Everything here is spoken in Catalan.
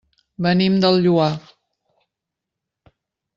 Venim del Lloar.